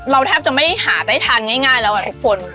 แทบจะไม่ได้หาได้ทานง่ายแล้วทุกคน